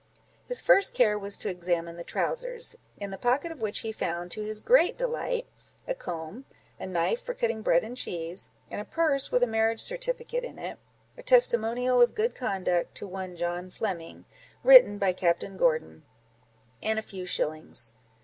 His first care was to examine the trowsers, in the pocket of which he found, to his great delight, a comb, a knife for cutting bread and cheese, and a purse with a marriage certificate in it, a testimonial of good conduct, to one John Flemming, written by Captain Gordon, and a few shillings.